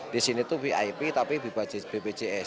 di sini itu vip tapi bpjs